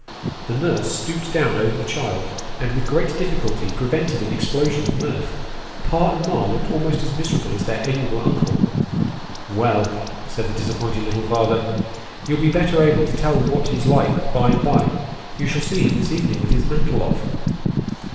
" The nurse stooped down over the child, and with great difficulty prevented an explosion of mirth. Pa and ma looked almost as miserable as their amiable uncle. " Well !" said the disappointed little father, " you'll be better able to tell what he's like by and by. You shall see him this evening with his mantle off."